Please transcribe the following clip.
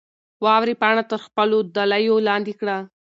واورې پاڼه تر خپلو دلیو لاندې کړه.